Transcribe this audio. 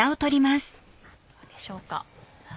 どうでしょうか。